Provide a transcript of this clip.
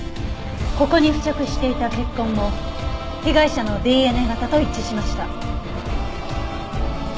ここに付着していた血痕も被害者のＤＮＡ型と一致しました。